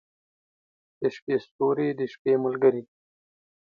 • د شپې ستوري د شپې ملګري دي.